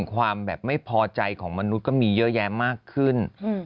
ความแบบไม่พอใจของมนุษย์ก็มีเยอะแยะมากขึ้น